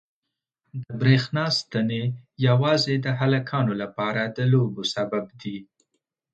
د برېښنا ستنې یوازې د هلکانو لپاره د لوبو سبب دي.